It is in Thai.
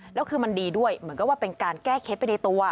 แล้วคือมันดีด้วยเหมือนกับว่าเป็นการแก้เคล็ดไปในตัว